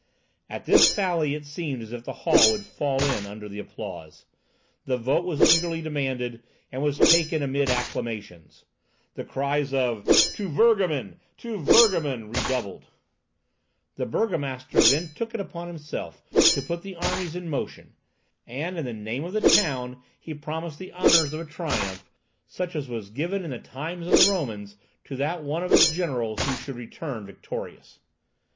At this sally it seemed as if the hall would fall in under the applause. The vote was eagerly demanded, and was taken amid acclamations. The cries of "To Virgamen! to Virgamen!" redoubled. "To Virgamen! to Virgamen!" The burgomaster then took it upon himself to put the armies in motion, and in the name of the town he promised the honours of a triumph, such as was given in the times of the Romans to that one of its generals who should return victorious.